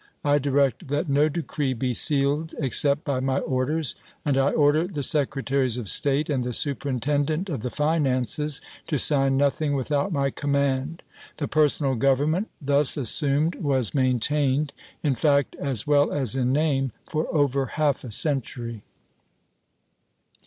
I direct that no decree be sealed except by my orders, and I order the secretaries of State and the superintendent of the finances to sign nothing without my command." The personal government thus assumed was maintained, in fact as well as in name, for over half a century.